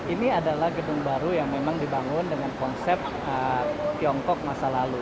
ini adalah gedung baru yang memang dibangun dengan konsep tiongkok masa lalu